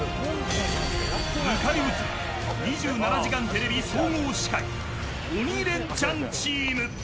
迎え撃つは２７時間テレビ総合司会鬼レンチャンチーム。